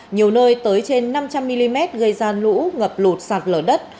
nhiều nơi tới trên năm trăm linh mm gây ra lũ ngập lụt sạt lở đất